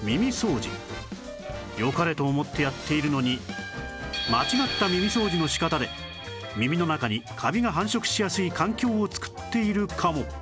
よかれと思ってやっているのに間違った耳掃除の仕方で耳の中にカビが繁殖しやすい環境を作っているかも